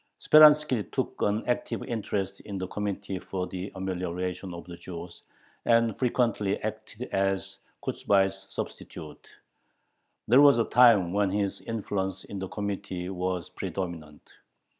Speranski took an active interest in the Committee for the Amelioration of the Jews, and frequently acted as Kochubay's substitute. There was a time when his influence in the Committee was predominant.